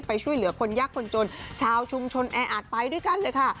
ช่วยเหลือคนยากคนจนชาวชุมชนแออัดไปด้วยกันเลยค่ะ